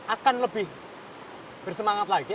akan lebih bersemangat lagi